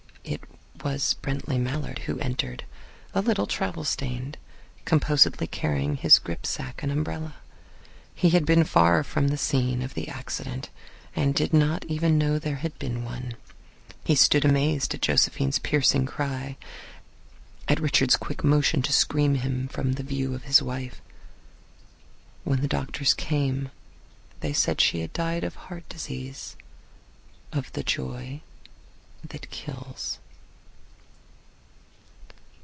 It was Brently Mallard who entered, a little travel stained, composedly carrying his grip sack and umbrella. He had been far from the scene of the accident, and did not even know there had been one. He stood amazed at Josephine's piercing cry; at Richards' quick motion to screen him from the view of his wife. But Richards was too late. When the doctors came they said she had died of heart disease — of the joy that kills.